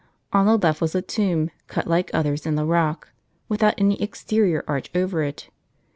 On the left was a tomb, cut like others in the rock, without any exterior arch over it.